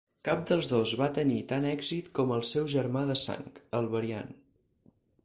Cap dels dos va tenir tant èxit com el seu germà de sang, el Variant.